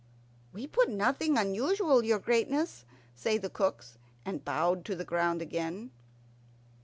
"We put nothing unusual, your greatness," say the cooks, and bowed to the ground again.